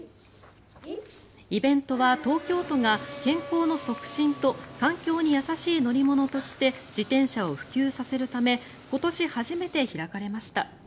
イベントは東京都が、健康の促進と環境に優しい乗り物として自転車を普及させるため今年初めて開かれました。